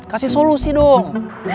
kasih solusi dong